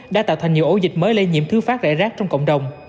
đã tạo thành nhiều ổ dịch mới lây nhiễm thứ phát rải rác trong cộng đồng